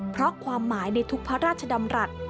เพราะความหมายในทุกพระราชดำรัฐ